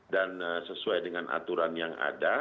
dan sesuai dengan aturan yang ada